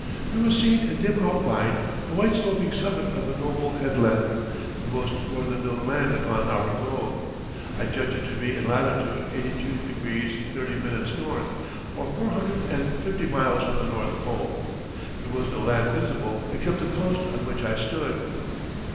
There was seen in dim outline the white sloping summit of a noble head land, the most northern known land upon our globe. I judged it to be in latitude 82° 30´ N., or four hundred and fifty miles from the North Pole.... There was no land visible except the coast on which I stood."